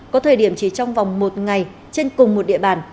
có thời điểm chỉ trong vòng một ngày trên cùng một địa bàn